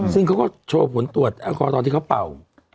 ซึ่งเขาก็โชว์ผลตรวจแอลกอฮอลตอนที่เขาเป่า